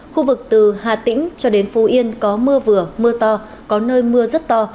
khu vực từ hà tĩnh cho đến phú yên có mưa vừa mưa to có nơi mưa rất to